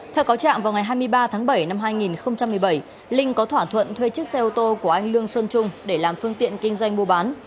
theo cáo trạng vào ngày hai mươi ba tháng bảy năm hai nghìn một mươi bảy linh có thỏa thuận thuê chiếc xe ô tô của anh lương xuân trung để làm phương tiện kinh doanh mua bán